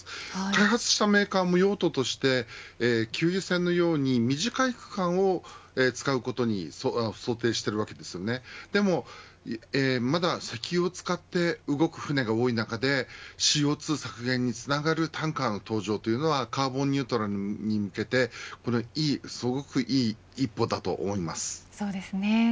開発したメーカーも用途として給油船のように短い区間を使うことを想定しているわけですがまだ石油を使って動く船が多い中でＣＯ２削減につながるタンカーの登場はカーボンニュートラルに向けてすごくいい一歩だと思います。